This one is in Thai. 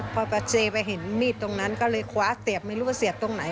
พอประเจไปเห็นมีดตรงนั้นก็เลยคว้าเสียบไม่รู้ว่าเสียบตรงไหน